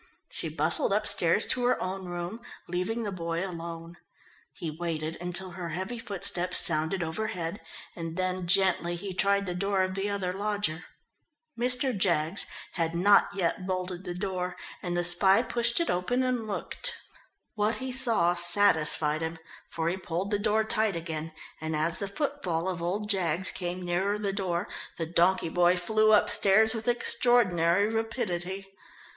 She bustled upstairs to her own room, leaving the boy alone. He waited until her heavy footsteps sounded overhead, and then gently he tried the door of the other lodger. Mr. Jaggs had not yet bolted the door, and the spy pushed it open and looked. What he saw satisfied him, for he pulled the door tight again, and as the footfall of old Jaggs came nearer the door, the donkey boy flew upstairs with extraordinary rapidity.